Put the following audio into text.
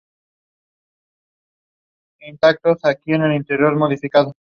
Es raro o completamente ausente lejos de los grandes ríos.